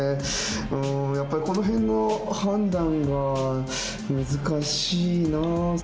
うんやっぱりこの辺の判断が難しいな。